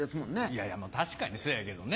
いやいや確かにそやけどね。